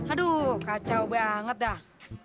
aduh kacau banget dah